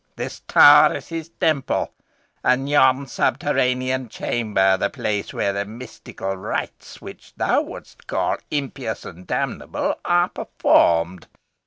This tower is his temple, and yon subterranean chamber the place where the mystical rites, which thou wouldst call impious and damnable, are performed.